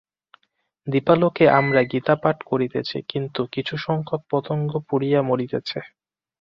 দীপালোকে আমরা গীতা পাঠ করিতেছি, কিন্তু কিছুসংখ্যক পতঙ্গ পুড়িয়া মরিতেছে।